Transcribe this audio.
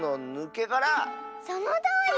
そのとおり！